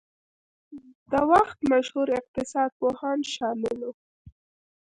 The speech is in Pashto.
د وخت مشهور اقتصاد پوهان شامل وو.